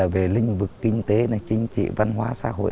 về lĩnh vực kinh tế chính trị văn hóa xã hội